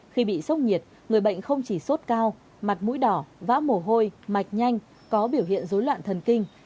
khi bị sốc nhiệt người bệnh không chỉ sốt cao mặt mũi đỏ vã mổ hôi mạch nhanh có biểu hiện dối loạn thần kinh